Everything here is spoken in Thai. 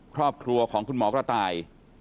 ครอบครัวของคุณหมอกระต่าย